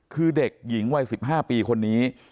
คือเด็กหญิงวัย๑๕ปีคนนี้